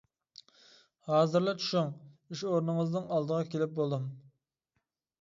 -ھازىرلا چۈشۈڭ ئىش ئورنىڭىزنىڭ ئالدىغا كېلىپ بولدۇم.